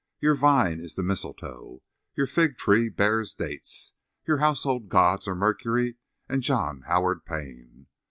Your vine is the mistletoe; your fig tree bears dates. Your household gods are Mercury and John Howard Payne.